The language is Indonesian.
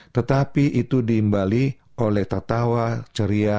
tetapi itu diimbali oleh tertawa ceria